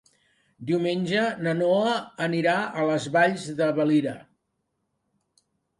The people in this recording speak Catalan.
Diumenge na Noa anirà a les Valls de Valira.